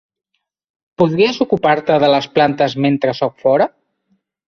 Podries ocupar-te de les plantes mentre sóc fora?